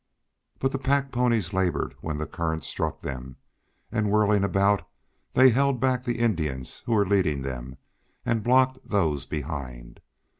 But the pack ponies labored when the current struck them, and whirling about, they held back the Indians who were leading them, and blocked those behind.